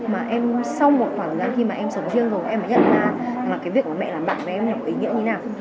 mà em sau một khoảng thời gian khi mà em sống riêng rồi em mới nhận ra là cái việc mà mẹ làm bạn với em nó có ý nghĩa như thế nào